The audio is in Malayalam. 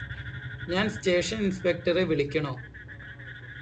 ഞാന് സ്റ്റേഷന് ഇന്സ്പെക്ടറെ വിളിക്കണോ